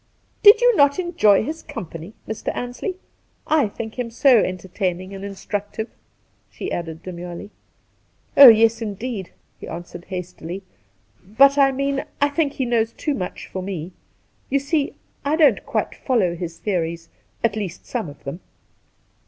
' Did you not enjoy his company, Mr. Ansley ? I think him so entertaining and instructive,' she added demurely. ' Oh yes, indeed !' he answered hastily ;' but I mean, I think he knows too much for me. You see, I don't quite follow his theories — at least, some of them.'